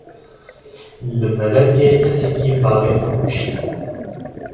Li Meletiyê kesekî bavê xwe kuşt.